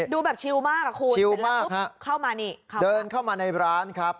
ดูแบบชิลมากอ่ะคุณชิวมากเข้ามานี่ค่ะเดินเข้ามาในร้านครับ